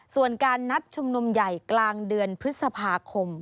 ส่วนการนัดชุมนุมใหญ่กลางเดือนพฤษภาคม